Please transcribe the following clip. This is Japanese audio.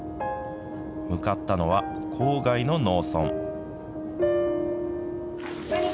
向かったのは、郊外の農村。